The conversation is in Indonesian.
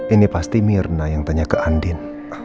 ini pasti mirna yang tanya ke andin